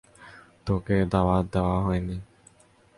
তোকে দাওয়াত দেওয়া হয়নি।